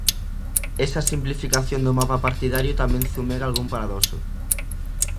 Esa simplificación do mapa partidario tamén zumega algún paradoxo.